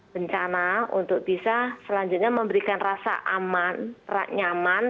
bencana untuk bisa selanjutnya memberikan rasa aman nyaman